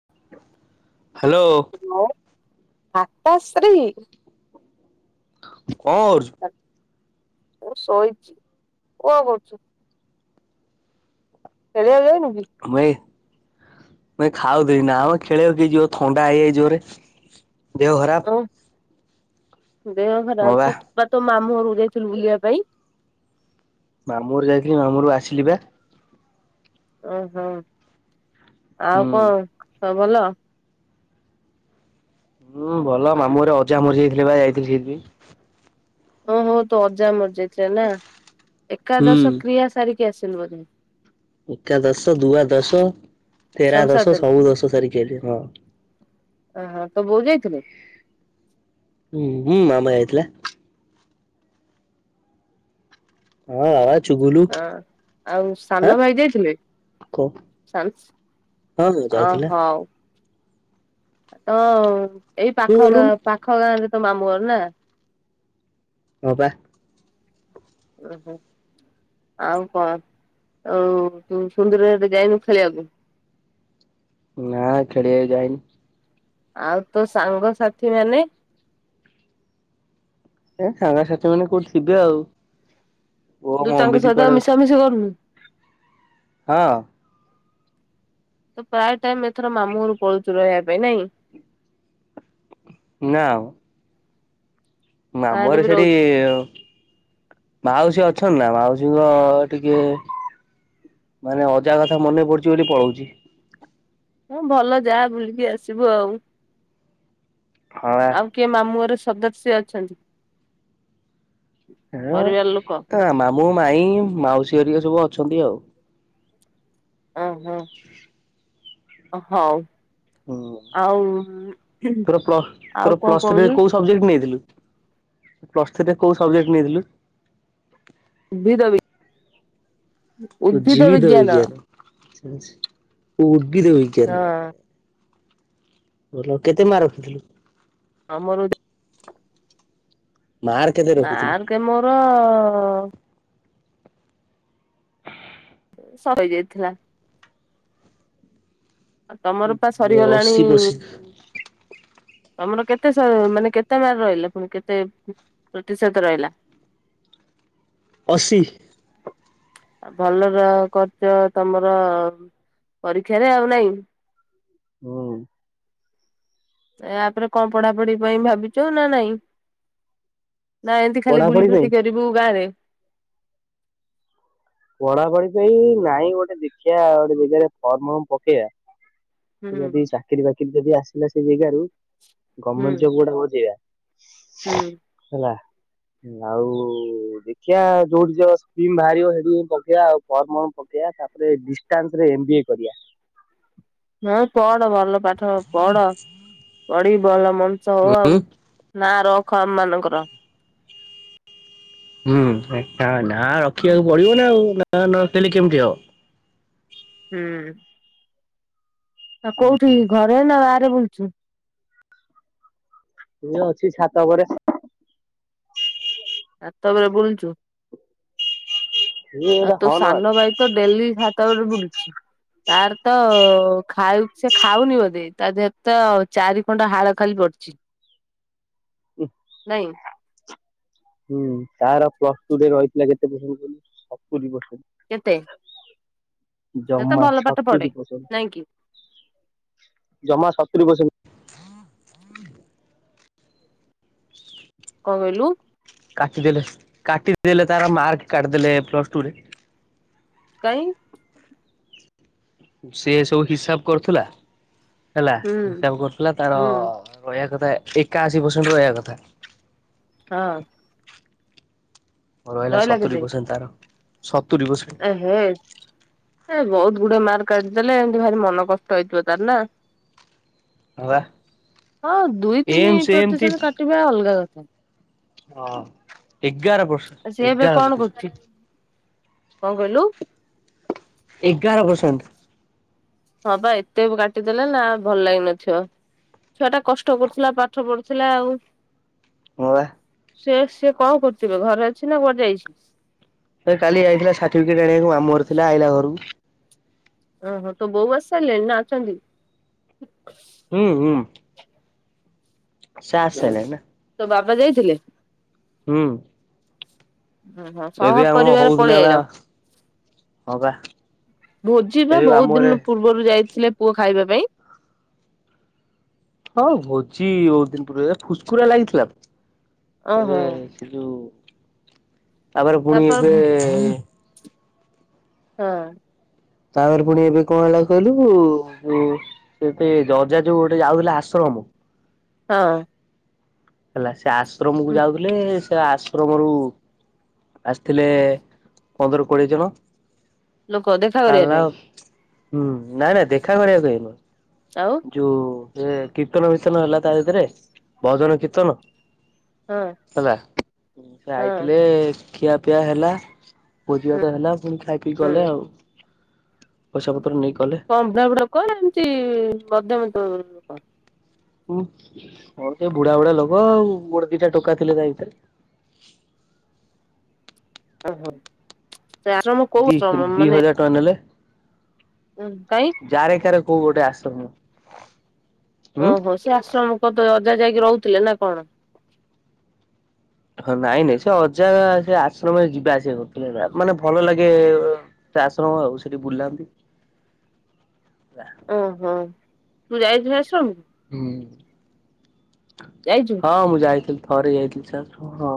[unintelligible] Hello. ମାତାଶ୍ରୀ [inaudible] କଣ କରୁଛୁ? ମୁଁ ଶୋଇଛି। କଣ କରୁଛୁ? ଖେଳିଆ କୁ ଯାଇନୁ? କି? କୁବାଇ ନ ଖାଉ ଦେଇ ନା ଆମ ଖେଳ କି ଯିବ ଥଣ୍ଡା ହେଇଯାଇଛି ଜୋରେ। ଦେହ ଓ ଖରାପ। ଦେହ ହଁ ଖରାପ ବା ତୁ ତୁ ମା ମୋ ଘରୁକୁ ଯାଇଥିଲୁ ବୁଲିବା ପାଇଁ? ମାମୁଘର ଯାଇଥିଲି ମାମୁଁଘରୁ ଆସିଲି ବା। ଓ ହୋ ଆଉ ହୁଁ। କଣ। ସବୁ ଭଲ। ହୁଁ ଭଲ ମାମୁଁରେ ଅଜା ମରିଯାଇଥିଲେ ବା ଯାଇଥିଲି ସେଠି। ଓ ହୋ ତୁ ଅଜା ମର ଯାଇଥିଲା ନା। ହୁଁ ଏକାଦଶ କ୍ରିୟା ସାରି। କି ଆସିଲୁ ବୋଧେ। ଏକାଦଶ ଦୁଆ ଦଶ ତେର ସବୁ ଦଶ ସାରିଦେଲୁ ସବୁ ଦଶ ସରିିକି ହଁ। ତ ବୋଉ ଯାଇଥିଲୁ। ହୁଁ ହୁଁ ଆମେ ଆଇଥିଲେ। ହଁ ଆ। ହଁ ଆଉ ସାନ ଭାଇ ଯାଇିଥିଲେ କ ସା ହଁ ଅ ଯାଇଥିଲା। ହଉ। ହ। ଏଇ ତୁ ପାଖ ଗାଁ ଗଲୁନୁ ପାଖ ଗାଁରେ। ତ ମାମୁର ନା। ହ ବା। ଓହୋ ଆଉ କଣ ଆଉ ସୁନ୍ଦର ଯାଇନୁ ଖେଲିବାକୁ। ନା ଖେଳିଇ ଯାଇନି। ଆଉ ତୋ ସାଙ୍ଗସାଥି ମାନେ। ଏ ସାଙ୍ଗସାଥି ମାନେ କୋଉଠି ଥିବେ ଆଉ। ଓ ମୋ ତୁ ତାଙ୍କ ଅମ୍ବିତ ସହିତା କୁଆଡେ ମିଶାମିଶି କରୁନୁ। ହଁ। ତ ପ୍ରାୟ ଟାଇମ ଏଥର ମାମୁଁ ଘରୁକୁ ପଳଉଛୁ ରହିବା ପାଇଁ ନାଇଁକି? ନାମ। ମାମୁଁ ଗାଁରେ ଘରେ ବି ସେଠି ରହୁଛୁ। ମାଉସି ଅ ଅଛନ୍ ନା ମାଉସୀଙ୍କ ଟିକେ ମାନେ ଅଜା କଥା ମନେ ପଡୁଚ ବୋଲି ପଳଉଛି। ହଁ ଭଲ ଯାହା ବୁଲିକି ଆସିବୁ ଆଉ। ହଁ ବା ଆଉ କେ ମାମୁଁ ଘରେ ସଦସ୍ୟ ଅଛନ୍ତି? ଏ ପରିବାର ଲୋକ? ମାମୁଁ ମାମୁଁ ମାଇ ମାଉସୀ ହେରିକା ସବୁ ଅଛନ୍ତି ଆଉ। ହ ହଁ। ହଉ। ହୁ ଆଉ ତର ପ୍ଲ ଆଉ ତୋର କଣ ପ୍ଲସ୍ କହୁନୁ ଥ୍ରୀରେ କୋଉ ସବଜେକ୍ଟ ନେଇଥିଲୁ? ପ୍ଲସ୍ଥିଥ୍ରୀରେ କୋଉ ସବଜେକ୍ଟ ନେଇଥିଲୁ? ଭ ଦବି ଉଦ୍ଭିଦ ବିଜ୍ଞାନ। ହୁ। ଉଦ୍ଭିଦ ହଁ ବିଜ୍ଞାନ। ବଲ କେତେ ମା ରଖିଥିଲୁ। ଆମର ମାର୍କ କେତେ ରଖିଥିଲୁ? ମାର୍କେ ମୋର ହଁ। ଶହେ ଯାଇଥିଲା। ତମର ପା ମୋର ସରିଗଲାଣି ଅଶୀ ପଶି ତମର କେତେ ଶ ମାନେ କେତେ ମାର ରହିଲା ପୁଣି କେତେ ପ୍ରତିଶତ ରହିଲା? ଅଶି। ଆ ଭଲର କରିଚ ତମର ପରୀକ୍ଷାରେ ଆଉ ନାଇଁ। ହଁ। ୟା ପରେ କଣ ପଢାପଢି ପାଇଁ ଭାବିଛ ନା ନାଇଁ? ନା ଏମିତି ଖାଲି ଗୁଲି ପଢାପଢି ପାଇଁ? ଖଟି କରିବୁ ଗାଁରେ? ପଢାପଢି ପାଇଁ ନାଇଁ ଗୋଟେ ଦେଖିବା ଗୋଟେ ଜାଗାରେ ଫର୍ମ ଫର୍ମ ପକେଇବା। ହୁଁ ଯଦି ଚାକିରିୀ ବାକି କିରୀ ଯଦି ଆସିଲା ସେ ଜାଗାରୁ ହୁଁ ଗମେଣ୍ଟ ଜବ ଗୁଡା ହୋଉଚି ଏୟା। ହୁଁ। ଆଉ ଦେଖିବା ଯୋଉଠି ଯ ସ୍କିମ୍ ବାହାରିବ ସେଠି ପକେଇବା ଆଉ ଫର୍ମ ଫର୍ମ ପକେଇବା। ତାପରେ ଡିଷ୍ଟାନ୍ସ ରେ ଏମ୍ ବି ଏ କରିବା। ହଁ ପଢ ଭଲ ପାଠ ପଢ ପଢି ଭଲ ମଣିଷ ହୋ ହୁଁ ଆଉ ନା ରଖ। ଖ ମାନଙ୍କର। ହୁଁ ଅ ନା ହୁଁ ରଖିବାକୁ ପଡିବ ନା ଆଉ। ନାଁ ନରଖିଲେ କିମିତି ହବ। ହୁଁ। ଆ କୋଉଠି ଘରେ ନା ବାହା ରେ ବୁଲୁଛୁ। ଏ ଅଛି ଛାତ ଉପରେ। ଛାତ ଉପରେ ବୁଲୁଛୁ। ଇଏ ଆଉ ଗୋଟେ ତୋ ହର୍ନ ସାନ ମାରୁଚି ଭାଇ ତ ଡେଲି ଛାତ ଉପରେ ବୁଲୁଚି। ତାର ତ ଖାଉ ସେ ଖାଉନି ବୋଧେ ତା ଦେହରେ ତ ଚାରି ଖଣ୍ଡ ହାଳ ଖାଲି ପଡିଛି। ନାଇଁ। ହୁଁ ତାର ପ୍ଲସ ଟୁ ରେ ରହିଥିଲା କେତେ ପର୍ସେଣ୍ଟ କହିଲୁ ସତୁରି ପରସେଣ୍ଟ। କେତେ। ସେ ତ ଜମା ଭଲ ପାଠ ପଢେ ସତୁରି ନାଇଁ କି ପର୍ସେଣ୍ଟ ଜମା ସତୁରି ପରସେଣ୍ଟ। [inaudible] [inaudible] କଣ କହିଲୁ କାଟିଦେଲେ କାଟି ଦେଲେ ତାର ମାର୍କ କାଟିଦେଲେ ପ୍ଲସ ଟୁରେ କାଇଁ ସେ ସବୁ ହିସାବ କରୁଥିଲା ହେଲା ହୁଁ ହିସାବ କରୁଥିଲା ତାର ହୁଁ ରହିବା କଥା ଏକାଅଶୀ ପରସେଣ୍ଟ ରହିବା କଥା ହଁ ଭ ରହିଲା ସତୁୁରି ପରସେଣ୍ଟ ତାର ସ ଏ ହେ ଏ ବହୁତ ଗୁଡଏ ମାର୍କ କାଟିଦେଲେ ଏମତି ଭାରି ମନ କଷ୍ଟ ହେଇଥିବ ତାର ନା ହଁ ବା ହଁ ଦୁଇ ତିନି ଏମ୍ ସେମ୍ ତି ପ୍ରତିଶତ କାଟିବା ଅଲଗା କଥା [inaudible] ହଁ ଏଗାର ବର୍ଷ ସେ ଏବେ ଏଗାର କଣ କରୁଛି ପ୍ରତିଶତ କଣ କହିଲୁ ଏଗାର ପରସେଣ୍ଟ ହଁ ବା ଏତେ କାଟିଦେଲେ ନା ଭଲ ଲାଗିନଥିବ ଛୁଆ ଟା କଷ୍ଟ କରୁଥିଲା ପାଠ ପଢୁଥିଲା ଆଉ ହଁ ବା ସେ ସେ କଣ କରୁଛି ବେ ଘରେ ଅଛି ନା କୁଆଡେ ଯାଇଛି। ସେ କାଲି ଯାଇଥିଲା ସାର୍ଟିଫିକେଟ ଆଣିବାକୁ ମାମୁ ଘରେ ଥିଲା ଆଇାଲା ଘରକୁ ଓହୋ ତ ବୋଉ ଆସି ସାଇଲେଣି ନା ଅଛନ୍ତି। ହୁଁ ହୁଁ ସେ ଆସାଇଲାନି ନା ପା ଯାଇଥିଲେ ହୁଁ ଓହୋ ସହ ଏବେ ଆମ ପରିବାର ହଉଥିଲା ବା ପଳେଇଆଇଲ ହଁ ବା ଭୋଜି ବା ଏବେ ବହୁତ ମାମୁଁ ଘରେ ଦିନ ପୂର୍ବରୁ ଯାଇ ଥିଲେ ପୁଅ ଖାଇବା ପାଇଁ ହଁ ଭୋଜି ବହୁ ଦିନ ପୁର ଫୁସ୍କୁରା ଲାଗିଥିଲା ଏବେ ଓହୋ ସେ ଯୋଉ ତାପରେ ପୁଣି ଏବେ ହଁ ତାପରେ ପୁଣି ଏବେ କଣ ହେଲା କହିଲୁ ଯୋ ଏବେ ଜଜା ଯୋଉ ଗୋଟେ ଯାଉଥିଲା ଆଶ୍ରମ ହଁ ହେଲା ସେ ଆସ ଶ୍ରମ କୁ ଯାଉଥିଲେ ସେ ଆଶ୍ରମରୁ ଆସିଥିଲେ ପନ୍ଦର କୋଡିଏ ଜଣ ଲୋକ ଦେଖା କରିବା କାଲା ପାଇଁ ହୁଁ ନାଇଁ ନାଇଁ ଦେଖା କରିବାକୁ କଇଁ ଆଉ କଁ ଯଉ ସେ କୀର୍ତ୍ତନ ବିୀର୍ତନ ହେଲା ତା ଭିତରେ, ଭଜନ କୀର୍ତ୍ତନ। ହଁ ହେଲା, ସେ ହଁ ଆଇଥିଲେ ଖିଆ ପିଆ ହେଲା, ଭୋଜିି ବାତ ହେଲା ପୁଣି ଆ ପିି ହୁଁ କଲେ ଆଉ ପଇଷା ପତ୍ର ନେଇ କଲେ କମ୍ପଡାବୁଡା କହ ଏମିତି ବଦମ ତରର ଲୋକ ହୁଁ ମୋର ସେ ବୁଢା ବୁଢା ଲୋକ ଆଉ ଗୋଡ ଦିଟା ଟୋକା ଥିଲେ ଯାଇ ଭିତରେ। ଓ ହୋ। ଦି ଦି ହଜାର ଟଙ୍କା ନେଲେ। କାଇଁ ଯାାରେ କରେ ହୋଉ ଗୋଟେ ଆଶ୍ରମ ହୁଁ। ଓହୋ ସେ ଆଶ୍ରମ କ ତ ପଜା ଯାଇକି ରହୁଥିଲେ ନା କଣ? ହଁ ନାଇଁ ନାଇଁ ସେ ଅଜା ସେ ଆଶ୍ରମରେ ଯିବା ଆସିବା କରୁଥିଲେ, ନା ମାନେ ଭଲ ଲାଗେ ସେ ଆଶ୍ରମ ଆଉ ସେଠି ବୁଲାନ୍ତି। ଓ ହଁ। ମୁଁ ଯାଇଛିି ଭ ଆଶ୍ରମ? ହୁଁ। ଯାଇଛୁ ହଁ ମୁଁ ଯାଇଥିଲି। ଥରେ ଯାଇଥିଲି ସେଠୁ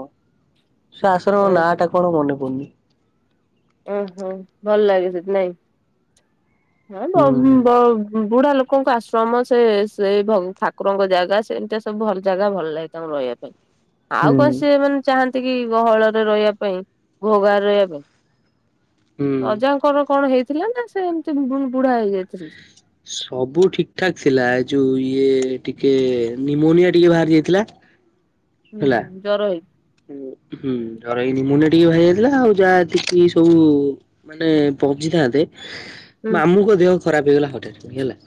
ସେ ଆଶ୍ରମ ଓହୋ ନାଁ ଟା କଣ ମନେ ପଡୁନି। [inaudible] ଓହୋ! ଭଲ ଲାଗେ ସେଠି ନାଇଁ? ହଁ ବ ହୁଁ ବ। ବୁଢା ଲୋକଙ୍କ ଆଶ୍ରମ ସେ ସେଇ ଠାକୁରଙ୍କ ଜାଗା ସେମିତିଆ ସବୁ ଭଲ ଜାଗା ଭଲ ଲାଗେ ତାଙ୍କୁ ରହିବା ପାଇଁ। ହୁଁ ଆଉ କଂ ସେମାନେ ଚାନ୍ତ ସେତିକି ଗହଳରେ ରହିବା ପାଇଁ, ଘୋଗାରେ ରହିବା ପାଇଁ। ହୁଁ। ରଜାଙ୍କର କଣ ହେଇ ଥିଲା ନା ସେ ଏମିତି ବୁଢଢା ହେଇଯାଇଥିଲେ? ସବୁ ଠିକ ଠାକ ଥିଲା ଏ ଯୋଉ ଇଏ ଟିକେ ନିମୋନିଆ ଟିକେ ବାହାରି ଯାଇଥିଲା। ହୁଁ ହେଲା। ଜରଇ ହୁଁ ଧର ଏଇ ନି ମୁନ ଟିକେ ଭାି ଯାଇଥିଲା ଆଉ ଯାହାତିକି ସବୁ ମାନେ ବଞ୍ଚିଥାନ୍ତେ ହୁଁ ମାମୁଁ କ ଦେଅ ଖରା ବିଗଲା ହୁଝଁ ହେିଲଲା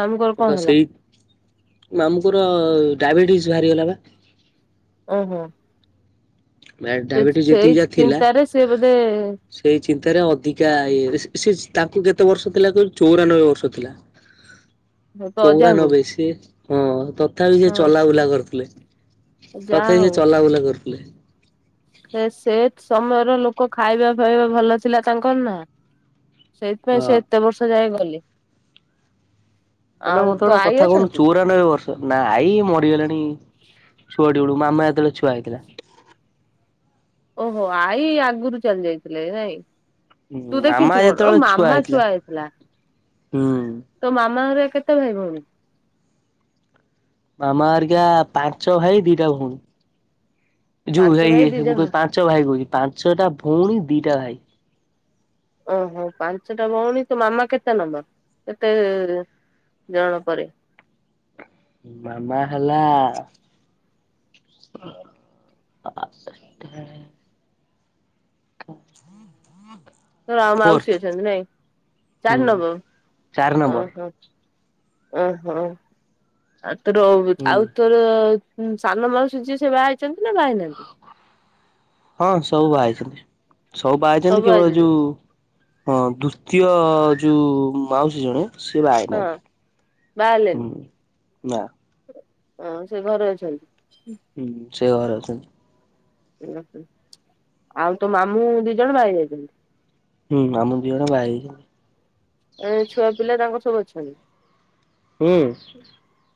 ମାମୁଙ୍କର କଣ ହେଲା? ମାମୁଙ୍କର ଡାଇବେଟିସ ବାହାରିଗଲା ବା। ଓ ହୋ। ଡାଇବେଟିସ୍ ଯେତିକି ଯାହା ଥିଲା ଚିନ୍ତାରେ ସେ ବୋଧେ ସେଇ ଚିନ୍ତାରେ ଅଧିକା ଇଏରେ ତାଙ୍କୁ କେତେ ବର୍ଷ ଥିଲା କହିଲୁ ଚଉରାନବେ ବର୍ଷ ଥିଲା ତୋ ଅଜାଙ୍କୁ ଚଉରାନବେ ସି ହଁ ତ ତଥାପି ସିଏ ହଁ ଚଲାବୁଲା କରୁଥିଲେ। ଯାହା ପ୍ରଥମେ ସେ ହଉ ଚଲାବୁଲା କରୁ [inaudible] ସେ ସେ ସମୟ ର ଲୋକ ଖାଇବା ଫାଇବା ଭଲ ଥିଲା ତାଙ୍କର ନା ସେଇଥିପାଇଁ ହଁ। ସେ ଏତେ ବର୍ଷ ଯାଏ ଗ [unintelligible] ମାନେ ମତେ ଗୋଟେ କଥା କହୁନୁ ଚଉରାନବେ ବର୍ଷ ନା ଆଇ ମରିଗଲାଣି ଛୁଆ ମାମା ଯେତେବେଳେ ଛୁଆ ହେଇଥିଲା। ଓହୋ ଆଈ ଆଗରୁ ଚାଲି ଯାଇଥିଲେ ନାଇଁ? ହୁଁ ତୁ ମାମା ଦେଖିଛୁ କଣ ଯେତେବେଳେ ମାମା ଛୁଆ ହେଇଥିଲା ହୁଁ ତୋ ମାମା ର କେତେ ଭାଇ ଭଉଣୀ? ମାମା ଘରିକା ପାଞ୍ଚ ଭାଇ ଦିଟା ଭଉଣୀ। ଯୋଉ ପାଞ୍ଚ ହେଇ ଭାଇ ଦି ମୁଁ ଜଣ କହିଲି ପାଞ୍ଚ ଭାଇ ଭଉଣୀ ପାଞ୍ଚଟା ଭଉଣୀ ଦିଟା ଭାଇ। ଓହୋ ପାଞ୍ଚଟା ଭଉଣୀ ତୋ ମାମା କେତେ ନମ୍ୱର? କେତେ ଜଣ ପରେ? ମାମା ହେଲା ତୋର ଆଉ ଫୋର୍ଥ ମାଉସୀ ଅଛନ୍ତି ନାଇଁ ହୁଁ ଚାର ନବ ଚାରି ନମ୍ବର ଓହୋ। ଓହୋ। ତୋର ହୁଁ। ଆଉ ତୋର ହୁଁ ସାନ ମାଉସୀ ଯିଏ ସିଏ ବାହା ହେଇଛନ୍ତି ନା ବାହା ହେଇନାହାନ୍ତି? ହଁ ସବୁ ବାହା ହେଇଛନ୍ତି। ସବୁ ବାହା ହେଇଚନ୍ତି କେବଳ ଯୋଉ ହଁ ଦ୍ଵିତୀୟ ଯୋଉ ମାଉସୀ ଜଣେ ସିଏ ବାହା ହଁ ହେଇନାହାଁନ୍ତି ବାହା ହେଲେନି ହୁଁ ନା। ହଁ ସେ ଘରେ ଅଛନ୍ତି? ହୁଁ। ସେ ଘରେ ଅଛନ୍ତି। ଓ ହ ଆଉ ତୋ ମାମୁଁ ଦି ଜଣ ବାହା ହେଇ ଯାଇଚନ୍ତି? ହୁଁ ମାମୁଁ ଦିଜଣ ବାହା ହେଇ ଯାଇଚନ୍ତି। ଏ ଛୁଆ ପିଲା ତାଙ୍କର ସବୁ ଅଛନ୍ତି? ହୁଁ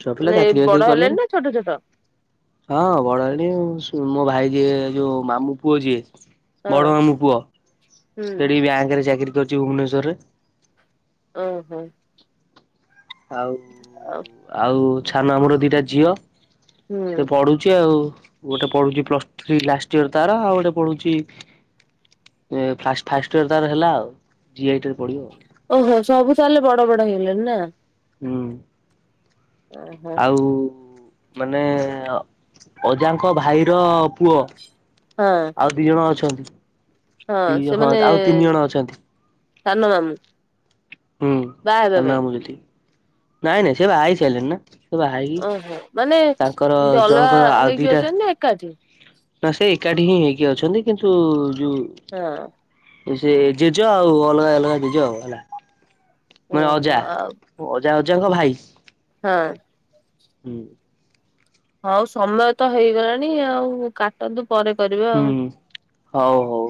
ଛୁଆ ପିଲା ମାନେ ଚାକିରି ବଡ ବାକିରି ହେଲେଣି କଲେଣି। ନା ଛୋଟ ଛୋଟ ହଁ ବଡ ହେଲେଣି। ମୋ ଭାଇ ଯିଏ ଯୋଉ ମାମୁଁ ପୁଅ ଯିଏ ହଁ ବଡ ମାମୁଁ ପୁଅ ହୁଁ ସେଠି ବ୍ୟାଙ୍କରେ ଚାକିରୀ କରିଚି ଭୁବନେଶ୍ୱରରେ। ଓହୋ। ଆଉ ଆଉ ଆଉ ସାନ ମାମୁଁ ର ଦିଟା ଝିଅ ହୁଁ ସେ ପଢୁଛି ଆଉ। ଗୋଟେ ପଢୁଛି ପ୍ଲସ ଥ୍ରୀ ଲାଷ୍ଟ ଇୟର ତାର। ଆଉ ଗୋଟେ ପଢୁଛି ଏ ଫାଷ୍ଟ୍ ଫାଷ୍ଟ ଇୟର ତାର ହେଲାଆଉ। ଜିଆଇଟି ପଢିବ ଆଉ। ଓହୋ ସବୁ ତାହେଲେ ବଡ ବଡ ହେଇଗଲେଣି ନା। ହୁଁ। ଓହୋ। ଆଉ ମାନେ ଅ ଅଜାଙ୍କ ଭାଇର ପୁଅ ହଁ ଆଉ ଦି ଜଣ ଅଛନ୍ତି। ହ [inaudible] ହଁ ସେମାନେ ସାନ ମାମୁଁ। ହୁଁ ବାହା ହେବା ସାନ ପାଇଁ ମାମୁଁ ସେଠୀ। ନାଇଁ ନାଇଁ ସେ ବାହା ହେଇ ସାରିଲେଣି ନା। ବାହା ହେଇକି ଓହୋ ମାନେ ତାଙ୍କର ଇନ୍ତି ଅଲଗା ଜଣଙ୍କର ଆଉ ହେଇକି ଦିଟା ଅଛନ୍ତି ନା ଏକାଠି। ନା ସେଇ ଏକାଠି ହିଁ ହେଇ। କି ଅଛନ୍ତି କିନ୍ତୁ। ଯୋଉ ହଁ। ସେ ଜେଜ ଆଉ ଅଲଗା ଅଲଗା ଜେଜ ଆଉ ହେଲା। ମାନେ ଓହୋ ଅଜା ଆଉ ଅଜା ଅ ଜାଙ୍କ ଭାଇ। ହଁ। ହୁଁ। ହଉ ସମୟ ତ ହେଇଗଲାଣି ଆଉ କାଟନ୍ତୁ। ପରେ କରିବା ହୁଁ ଆଉ। ହଉ ହଉ।